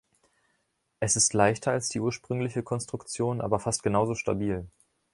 Es ist leichter als die ursprüngliche Konstruktion, aber fast genauso stabil.